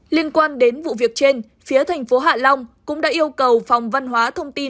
liên quan đến vụ việc trên phía thành phố hạ long cũng đã yêu cầu phòng văn hóa thông tin